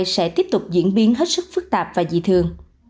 sẽ tiếp tục diễn biến hết sức phức tạp và dị thường